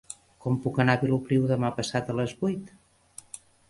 Com puc anar a Vilopriu demà passat a les vuit?